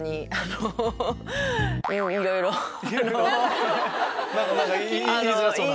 いろいろ⁉何か言いづらそうな。